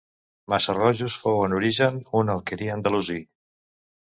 Massarrojos fou en origen una alqueria andalusí.